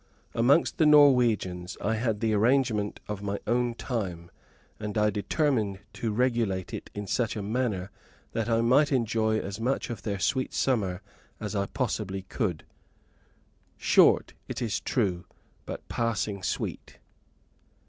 Amongst the Norwegians I had the arrangement of my own time, and I determined to regulate it in such a manner that I might enjoy as much of their sweet summer as I possibly could; short, it is true, but "passing sweet."